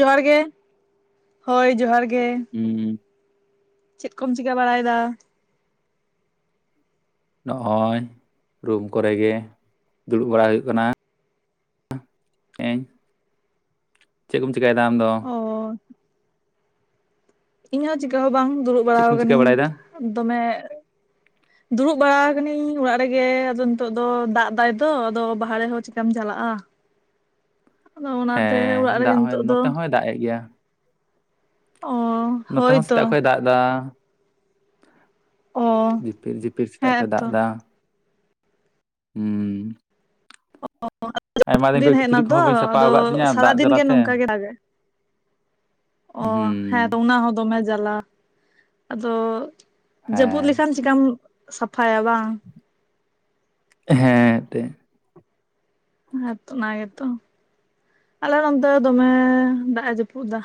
ᱡᱚᱦᱟᱨ ᱜᱮ ᱦᱳᱭ ᱡᱚᱦᱟᱨ ᱜᱮ ᱦᱩᱸ ᱦᱩᱸ ᱪᱮᱫ ᱠᱚᱢ ᱪᱤᱠᱟᱹ ᱵᱟᱲᱟᱭᱮᱫᱟ? ᱱᱚᱜᱼᱚᱭ ᱨᱩᱢ ᱠᱚᱨᱮ ᱜᱮ ᱫᱩᱲᱩᱵ ᱵᱟᱲᱟ ᱦᱩᱭᱩᱜ ᱠᱟᱱᱟ ᱦᱮᱧ ᱪᱮᱫ ᱠᱚᱢ ᱪᱤᱠᱟᱭᱮᱫᱟ ᱟᱢ ᱫᱚ ᱚ ᱤᱧ ᱦᱚᱸ ᱪᱤᱠᱟᱹ ᱦᱚᱸ ᱵᱟᱝ ᱫᱩᱲᱩᱵ ᱵᱟᱲᱟ ᱪᱮᱫ ᱠᱚᱢ ᱠᱟᱹᱤᱧ ᱪᱤᱠᱟᱹ ᱵᱟᱲᱟᱭᱮᱫᱟ ᱫᱚᱢᱮ ᱫᱩᱲᱩᱵ ᱵᱟᱲᱟ ᱟᱠᱟᱱᱟᱹᱧ ᱚᱲᱟᱜ ᱨᱮᱜᱮ ᱟᱫᱚ ᱱᱤᱛᱚᱜ ᱫᱚ ᱫᱟᱜ ᱫᱟᱭ ᱛᱚ ᱟᱫᱚ ᱵᱟᱦᱨᱮ ᱦᱚᱸ ᱪᱤᱠᱟᱢ ᱪᱟᱞᱟᱜᱼᱟ ᱟᱫᱚ ᱚᱱᱟᱛᱮ ᱚᱲᱟᱜ ᱦᱮᱸ ᱨᱮᱜᱮ ᱫᱟᱜ ᱦᱚᱸ ᱱᱤᱛᱚᱜ ᱫᱚ ᱱᱚᱛᱮ ᱦᱚᱸᱭ ᱫᱟᱜ ᱮᱫ ᱜᱮᱭᱟ ᱚᱸ ᱱᱚᱛᱮ ᱦᱚᱸ ᱥᱮᱛᱟᱜ ᱠᱷᱚᱡ ᱫᱟᱜ ᱫᱟ ᱚ ᱡᱷᱤᱯᱤᱨ ᱡᱷᱤᱯᱤᱫ ᱥᱮᱛᱟᱜ ᱠᱷᱚᱡ ᱫᱟᱜ ᱦᱮᱸᱛᱚ ᱮᱫᱟ ᱦᱩᱸ ᱚ ᱟᱭᱢᱟ ᱡᱟᱯᱩᱫ ᱫᱤᱱ ᱠᱷᱚᱡ ᱦᱮᱡ ᱱᱟ ᱠᱤᱪᱨᱤᱡ ᱛᱚ ᱠᱚᱦᱚᱸ ᱵᱟᱹᱧ ᱥᱟᱯᱷᱟ ᱟᱫᱚ ᱟᱠᱟᱫ ᱛᱤᱧᱟᱹ ᱫᱟᱜ ᱥᱟᱨᱟᱫᱤᱱ ᱜᱮ ᱡᱟᱞᱟᱛᱮ ᱱᱚᱝᱠᱟ ᱜᱮ ᱫᱟᱜᱼᱟ ᱚ ᱦᱮᱸ ᱛᱚ ᱦᱩᱸ ᱚᱱᱟ ᱦᱚᱸ ᱫᱚᱢᱮ ᱡᱟᱞᱟ ᱟᱫᱚ ᱡᱟᱹᱯᱩᱫ ᱦᱮᱸ ᱞᱮᱠᱷᱟᱱ ᱪᱮᱠᱟᱢ ᱥᱟᱯᱷᱟᱭᱟ ᱵᱟᱝ ᱮᱸᱦᱮ ᱛᱮ ᱦᱮᱸᱛᱚ ᱚᱱᱟ ᱜᱮᱛᱚ ᱟᱞᱮ ᱱᱚᱱᱛᱮ ᱫᱚᱢᱮ ᱫᱟᱜ ᱮ ᱡᱟᱹᱯᱩᱫ ᱫᱟ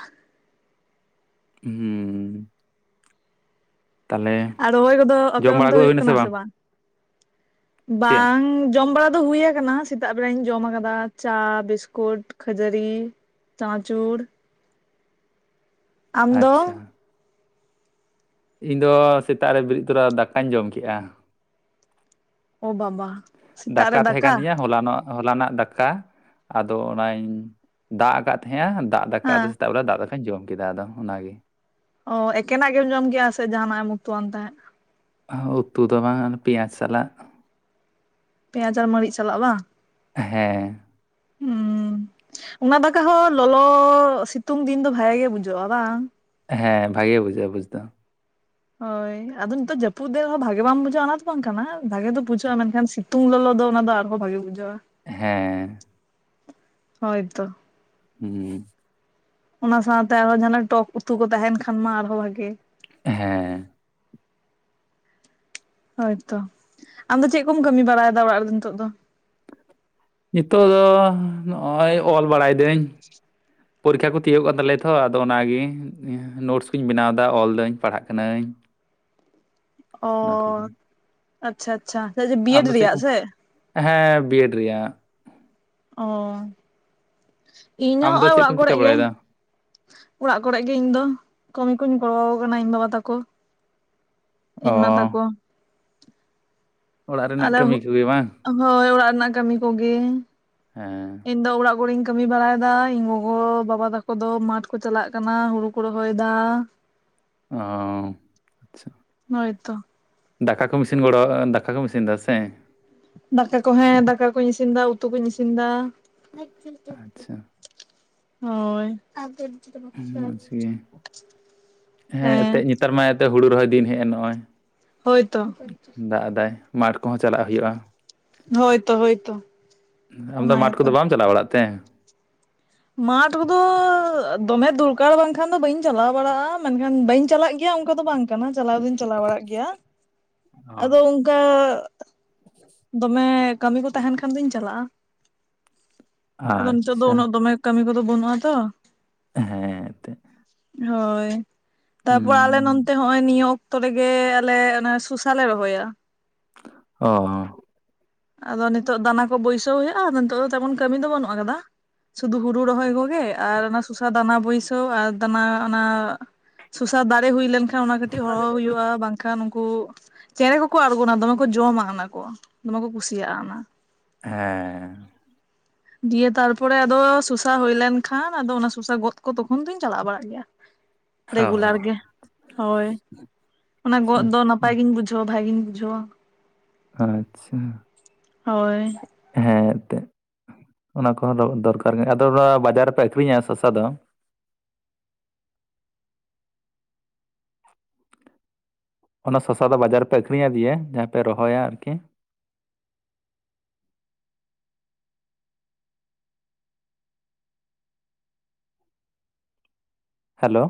ᱩᱸᱦᱩ ᱛᱟᱦᱚᱞᱮ ᱟᱨ ᱨᱚᱦᱭ ᱠᱚᱫᱚ ᱟᱯᱮ ᱡᱚᱢ ᱵᱟᱲᱟ ᱚᱱᱛ ᱠᱚᱫᱚ ᱦᱩᱭᱩᱜ ᱦᱩᱭᱱᱟ ᱠᱟᱱᱟ ᱥᱮ ᱵᱟᱝ ᱪᱮᱫ ᱵᱟᱝ ᱡᱚᱢ ᱵᱟᱲᱟ ᱫᱚ ᱦᱩᱭᱟ ᱠᱟᱱᱟ ᱥᱮᱛᱟᱜ ᱵᱮᱲᱟᱧ ᱡᱚᱢ ᱟᱠᱟᱫᱟ ᱪᱟ ᱵᱤᱥᱠᱩᱴ ᱠᱷᱟᱹᱡᱟᱹᱲᱤ ᱪᱟᱱᱟᱪᱩᱨ ᱟᱢ ᱟᱪᱪᱷᱟ ᱫᱚ ᱤᱧ ᱫᱚ ᱥᱮᱛᱟᱜ ᱨᱮ ᱵᱤᱨᱤᱫ ᱛᱚᱨᱟ ᱫᱟᱠᱟᱧ ᱡᱚᱢ ᱠᱮᱜᱼᱟ ᱳ ᱵᱟᱵᱟ ᱥᱮᱛᱟᱜ ᱨᱮ ᱫᱟᱠᱟ ᱛᱟᱦᱮ ᱠᱟᱱ ᱛᱤᱧᱟ ᱦᱚᱞᱟᱱᱚᱜ ᱦᱚᱞᱟᱱᱟᱜ ᱫᱟᱠᱟ ᱟᱫᱚ ᱚᱱᱟᱧ ᱫᱟᱜ ᱟᱠᱟᱫ ᱛᱟᱦᱮᱸᱼᱟ ᱫᱟᱜ ᱫᱟᱠᱟᱫᱚ ᱦᱮᱸ ᱥᱮᱛᱟᱜ ᱵᱮᱲᱟ ᱫᱟᱜ ᱫᱟᱠᱟᱧ ᱡᱚᱢ ᱠᱮᱫᱟ ᱟᱫᱚ ᱚᱱᱟᱜᱮ ᱚ ᱮᱠᱮᱱᱟᱜ ᱜᱮᱢ ᱡᱚᱢ ᱠᱮᱜᱼᱟ ᱥᱮ ᱡᱟᱦᱟᱱᱟᱜ ᱮᱢ ᱩᱛᱩᱣᱟᱱ ᱛᱟᱦᱮᱸᱫ ᱩᱛᱩ ᱫᱚ ᱵᱟᱝ ᱚᱱᱮ ᱯᱮᱸᱭᱟᱡᱽ ᱥᱟᱞᱟᱜ ᱯᱮᱸᱭᱟᱡ ᱟᱨ ᱢᱟᱹᱨᱤᱡ ᱥᱟᱞᱟᱜ ᱵᱟᱝ ᱦᱮᱸ ᱦᱩᱢ ᱚᱱᱟ ᱫᱟᱠᱟ ᱦᱚᱸ ᱞᱚᱞᱚ ᱥᱤᱛᱩᱝ ᱫᱤᱱ ᱫᱚ ᱵᱷᱟᱜ ᱜᱮ ᱵᱩᱡᱚᱹᱜᱼᱟ ᱵᱟᱝ ᱦᱮᱸ ᱵᱷᱟᱜᱮ ᱵᱩᱡᱷᱟᱹᱜᱼᱟ ᱵᱩᱡ ᱫᱚ ᱦᱳᱭ ᱟᱫᱚ ᱱᱤᱛᱚᱜ ᱡᱟᱹᱯᱩᱫ ᱫᱮᱱ ᱨᱮᱦᱚᱸ ᱵᱷᱟᱜᱮ ᱵᱟᱝ ᱵᱩᱡᱷᱟᱹᱜᱼᱟ ᱚᱱᱟ ᱫᱚ ᱵᱟᱝ ᱠᱟᱱᱟ, ᱵᱷᱟᱜᱮ ᱫᱚ ᱵᱩᱡᱷᱟᱹᱜᱼᱟ ᱢᱮᱱᱠᱷᱟᱱ ᱥᱤ ᱛᱩᱝ ᱞᱚᱞᱚ ᱫᱚ ᱚᱱᱟ ᱫᱚ ᱟᱨᱦᱚ ᱵᱷᱟᱜᱮ ᱵᱩᱡᱷᱟᱹᱜᱼᱟ᱾ ᱦᱮᱸ ᱦᱳᱭᱛᱚ ᱦᱩ ᱚᱱᱟ ᱥᱟᱶᱛᱮ ᱟᱨᱦᱚᱸ ᱡᱟᱦᱟᱱᱟᱜ ᱴᱚᱠ ᱩᱛᱩ ᱠᱚ ᱛᱟᱦᱮᱱ ᱠᱷᱟᱱ ᱢᱟ ᱟᱨᱦᱚᱸ ᱵᱷᱟᱜᱮ᱾ ᱦᱮᱸ ᱦᱳᱭᱛᱚ ᱟᱢᱫᱚ ᱪᱮᱜ ᱠᱚᱢ ᱠᱟᱹᱢᱤ ᱵᱟᱲᱟᱭᱫᱟ ᱚᱲᱟᱜ ᱨᱮᱫᱚ ᱱᱤᱛᱚᱜ ᱫᱚ? ᱧᱤᱛᱚᱜ ᱫᱚ ᱱᱚᱜᱼᱚᱭ ᱚᱞ ᱵᱟᱲᱟᱭ ᱫᱟᱹᱧ᱾ ᱯᱚᱨᱤᱠᱷᱟ ᱠᱚ ᱛᱤᱭᱳᱜ ᱠᱟᱱ ᱛᱟᱞᱮᱭᱟ ᱛᱚ ᱟᱫᱚ ᱚᱱᱟᱜᱮ᱾ ᱱᱳᱴᱥ ᱠᱚᱧ ᱵᱮᱱᱟᱣᱫᱟ ᱚᱞᱫᱟᱹᱧ ᱯᱟᱲᱦᱟᱜ ᱠᱟᱹᱱᱟᱹᱧ᱾ [inaudible] ᱚ ᱚᱱᱟ ᱠᱚᱜᱮ᱾ ᱟᱪᱪᱷᱟ ᱟᱪᱪᱷᱟ ᱥᱮᱪᱮ ᱟᱢ ᱵᱤᱭᱮᱰ ᱫᱚ ᱪᱮᱫ ᱨᱮᱭᱟᱜ ᱠᱚᱢ ᱥᱮ? ᱦᱮᱸ ᱵᱤᱭᱮᱰ ᱨᱮᱭᱟᱜ᱾ ᱚᱸ ᱤᱧ ᱟᱢ ᱦᱚᱸ ᱫᱚ ᱦᱚᱸᱜᱼᱚᱭ ᱪᱮᱫ ᱚᱲᱟᱜ ᱠᱚᱢ ᱪᱤᱠᱟᱹ ᱠᱚᱨᱮ ᱜᱮ᱾ ᱵᱟᱲᱟᱭᱮᱫᱟ ᱚᱲᱟᱜ ᱠᱚᱨᱮᱜ ᱜᱮ ᱤᱧ ᱫᱚ ᱠᱟᱹᱢᱤ ᱠᱚᱧ ᱜᱚᱲᱣᱟ ᱠᱚ ᱠᱟᱱᱟ ᱤᱧ ᱵᱟᱵᱟ ᱛᱟᱠᱚ᱾ ᱚ ᱤᱧ ᱢᱟ ᱛᱟᱠᱚ᱾ ᱚᱲᱟᱜ ᱨᱮᱱᱟᱜ ᱟᱞᱮ ᱠᱟᱹᱢᱤ ᱠᱚᱜᱮ ᱵᱟᱝ? ᱦᱳᱭ ᱚᱲᱟᱜ ᱨᱮᱱᱟᱜ ᱠᱟᱹᱢᱤ ᱠᱚᱜᱮ᱾ ᱦᱮᱸ ᱤᱧ ᱫᱚ ᱚᱲᱟᱜ ᱠᱩᱨᱮᱧ ᱠᱟᱹᱢᱤ ᱵᱟᱲᱟᱭᱫᱟ ᱤᱧ ᱜᱚᱜᱚ ᱵᱟᱵᱟ ᱛᱟᱠᱚ ᱫᱚ ᱢᱟᱴ ᱠᱚ ᱪᱟᱞᱟᱜ ᱠᱟᱱᱟ ᱦᱩᱲᱩ ᱠᱚ ᱨᱚᱦᱚᱭᱫᱟ᱾ [inaudible] ᱚᱸ ᱟᱪᱪᱷᱟ ᱦᱳᱭᱛᱚ ᱫᱟᱠᱟ ᱠᱚᱢ ᱤᱥᱤᱱ ᱜᱚᱲᱚ ᱫᱟᱠᱟ ᱠᱚᱢ ᱤᱥᱤᱱ ᱫᱟ ᱥᱮ? ᱫᱟᱠᱟ ᱠᱚ ᱦᱮᱸ ᱫᱟᱠᱟ ᱠᱩᱧ ᱤᱥᱤᱱᱫᱟ ᱩᱛᱩ ᱠᱩᱧ ᱤᱥᱤᱱᱫᱟ [unintelligible] ᱟᱪᱪᱷᱟ ᱦᱳᱭ ᱢᱚᱸᱡᱽ ᱜᱮ [unintelligible] ᱦᱮᱸ ᱛᱮ ᱦᱩᱲᱩ ᱨᱚᱦᱚᱭ ᱫᱤᱱ ᱦᱮᱜ ᱮᱱ ᱱᱚᱜᱼᱚᱭ᱾ ᱦᱳᱭᱛᱚ ᱫᱟᱜ ᱫᱟᱭ ᱢᱟᱴᱷ ᱠᱚᱦᱚᱸ ᱪᱟᱞᱟᱜ ᱦᱩᱭᱩᱜᱼᱟ᱾ ᱦᱳᱭᱛᱚ ᱦᱳᱭᱛᱚ ᱟᱢ ᱫᱚ ᱚᱱᱟ ᱢᱟᱴᱷ ᱜᱮᱛᱚ ᱠᱚᱫᱚ ᱵᱟᱢ ᱪᱟᱞᱟᱣ ᱵᱟᱲᱟᱜ ᱛᱮ? ᱢᱟᱴᱷ ᱠᱚᱫᱚ ᱫᱚᱢᱮ ᱫᱚᱨᱠᱟᱨ ᱵᱟᱝᱠᱷᱟᱱ ᱫᱚ ᱵᱟᱹᱧ ᱪᱟᱞᱟᱣ ᱵᱟᱲᱟᱜᱼᱟ᱾ ᱢᱮᱱᱠᱷᱟᱱ ᱵᱟᱹᱧ ᱪᱟᱞᱟᱜ ᱜᱮᱭᱟ ᱚᱝᱠᱟ ᱫᱚ ᱵᱟᱝ ᱠᱟᱱᱟ, ᱪᱟᱞᱟᱣ ᱫᱚᱧ ᱪᱟᱞᱟᱣ ᱵᱟᱲᱟᱜ ᱜᱮᱭᱟ, ᱚ ᱟᱫᱚ ᱚᱝᱠᱟ ᱫᱚᱢᱮ ᱠᱟᱹᱢᱤ ᱠᱚ ᱛᱟᱦᱮᱱ ᱠᱷᱟᱱ ᱫᱚᱧ ᱪᱟᱞᱟᱜᱼᱟ᱾ ᱟᱫᱚ ᱱᱤᱛᱚᱜ ᱫᱚ ᱟᱪᱪᱷᱟ ᱩᱱᱟᱹᱜ ᱫᱚᱢᱮ ᱠᱟᱹᱢᱤ ᱠᱚᱫᱚ ᱵᱟᱹᱱᱩᱜᱼᱟ ᱛᱚ᱾ ᱦᱮᱸ ᱮᱛᱮᱜ᱾ ᱦᱳᱭ ᱛᱟᱨᱯᱚᱨ ᱟᱞᱮ ᱦᱩᱸ ᱱᱚᱱᱛᱮ ᱦᱚᱸᱜᱚᱭ ᱱᱤᱭᱟᱹ ᱚᱠᱛᱚ ᱨᱮᱜᱮ ᱟᱞᱮ ᱚᱱᱮ ᱥᱚᱥᱟ ᱞᱮ ᱨᱚᱦᱚᱭᱟ᱾ ᱚ ᱟᱫᱚ ᱱᱤᱛᱚᱜ ᱫᱚ ᱫᱟᱱᱟ ᱠᱚ ᱵᱟᱹᱭᱥᱟᱹᱣ ᱦᱩᱭᱩᱜᱼᱟ, ᱟᱫᱚ ᱱᱤᱛᱚᱜ ᱫᱚ ᱛᱮᱢᱚᱱ ᱠᱟᱹᱢᱤ ᱫᱚ ᱵᱟᱹᱱᱩᱜ ᱠᱟᱫᱟ ᱥᱩᱫᱩ ᱦᱩᱲᱩ ᱨᱚᱦᱚᱭ ᱜᱮ ᱟᱨ ᱚᱱᱟ ᱥᱚᱥᱟ ᱫᱟᱱᱟ ᱵᱟᱹᱭᱥᱟᱹᱣ ᱟᱨ ᱫᱟᱱᱟ ᱚᱱᱟ ᱥᱚᱥᱟ ᱫᱟᱨᱮ ᱦᱩᱭ ᱞᱮᱱ ᱚᱱᱟ ᱠᱟᱹᱴᱤᱡ ᱦᱚᱨᱦᱚ ᱦᱩᱭᱩᱜᱼᱟ ᱵᱟᱝ ᱠᱷᱟᱱ ᱩᱝᱠᱩ ᱪᱮᱬᱮ ᱠᱚᱠᱚ ᱟᱬᱜᱚᱱᱟ ᱫᱚᱢᱮ ᱠᱚ ᱡᱚᱢᱟ ᱚᱱᱟ ᱠᱚ, ᱫᱚᱢᱮ ᱠᱚ ᱠᱩᱥᱤᱭᱟᱜᱼᱟ ᱚᱱᱟ᱾ ᱦᱮᱸ ᱫᱤᱭᱮ ᱛᱟᱨᱯᱚᱨᱮ ᱟᱫᱚ ᱥᱚᱥᱟ ᱦᱩᱭ ᱞᱮᱱᱠᱷᱟᱱ ᱟᱫᱚ ᱚᱱᱟ ᱥᱚᱥᱟ ᱜᱚᱫ ᱠᱚ ᱛᱚᱠᱷᱚᱱ ᱫᱚᱧ ᱪᱟᱞᱟᱣ ᱵᱟᱲᱟᱜ ᱜᱮᱭᱟ᱾ ᱚ ᱨᱮᱜᱩᱞᱟᱨ ᱜᱮ᱾ ᱦᱳᱭ ᱚᱱᱟ ᱜᱚᱫ ᱟᱪᱪᱷᱟ ᱫᱚ ᱟᱪᱪᱷᱟ ᱱᱟᱯᱟᱭ ᱜᱤᱧ ᱵᱩᱡᱷᱟᱹᱣᱟ ᱵᱷᱟᱜᱮᱧ ᱵᱩᱡᱷᱟᱹᱣᱟ᱾ ᱟᱪᱪᱷᱟ ᱦᱳᱭ ᱾ ᱦᱮᱸ ᱮᱱᱛᱮᱫ ᱚᱱᱟ ᱠᱚᱦᱚᱸ ᱫᱚᱨᱠᱟᱨ ᱜᱮ᱾ ᱟᱫᱚ ᱵᱟᱡᱟᱨ ᱨᱮᱯᱮ ᱟᱹᱠᱷᱨᱤᱧᱟ ᱥᱟᱥᱟ ᱫᱚ? ᱚᱱᱟ ᱥᱚᱥᱟ ᱫᱚ ᱵᱟᱡᱟᱨ ᱨᱮ ᱯᱮ ᱟᱹᱠᱷᱨᱤᱧ ᱟᱫᱮᱭᱟ? ᱡᱟᱦᱟᱸ ᱯᱮ ᱨᱚᱦᱚᱭᱟ ᱟᱨᱠᱤ᱾ ᱦᱮᱞᱳ